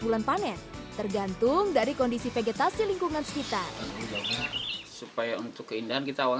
bulan panen tergantung dari kondisi vegetasi lingkungan sekitar supaya untuk keindahan kita